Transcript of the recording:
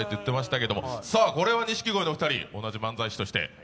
これは錦鯉のお二人、同じ漫才師として。